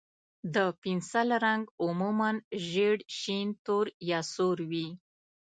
د پنسل رنګ عموماً ژېړ، شین، تور، یا سور وي.